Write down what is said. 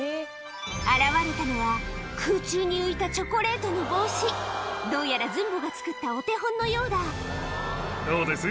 現れたのは空中に浮いたチョコレートの帽子どうやらズンボが作ったお手本のようだどうです？